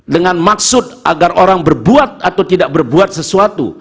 dengan maksud agar orang berbuat atau tidak berbuat sesuatu